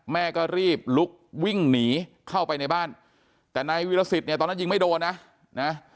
แม่ก็รีบลุกวิ่งหนีเข้าไปในบ้านแต่นายวิรสิตเนี่ยตอนนั้นยิงไม่โดนนะนะ